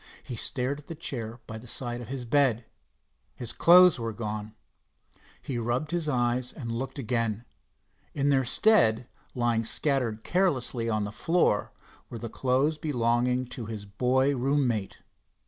He stared at the chair by the side of the bed. His clothes were gone! He rubbed his eyes and looked again. In their stead, lying scattered carelessly on the floor, were the clothes belonging to his boy room mate.